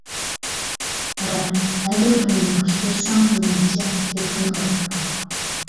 ھاراق: ئەگەر ئۇنى ياخشى كۆرسەڭ، مېنىڭچە تېلېفون ئۇرۇپ باق.